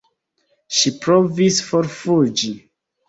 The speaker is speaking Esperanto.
Ŝi provis forfuĝi.